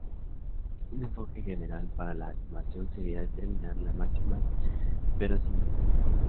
Un enfoque general para la estimación sería determinar la máxima verosimilitud.